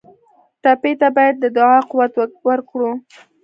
ټپي ته باید د دعا قوت ورکړو.